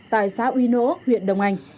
tại xã uy nỗ huyện đông anh